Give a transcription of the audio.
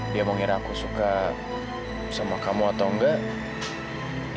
dia mau ngira aku suka sama kamu atau enggak